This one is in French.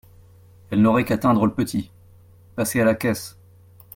Elle n’aurait qu’à teindre le petit !… passez à la caisse !